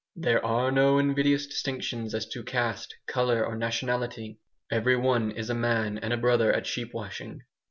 There are no invidious distinctions as to caste, colour, or nationality. Every one is a man and a brother at sheep washing.